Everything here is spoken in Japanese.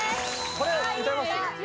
これ歌えます？